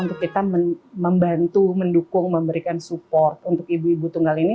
untuk kita membantu mendukung memberikan support untuk ibu ibu tunggal ini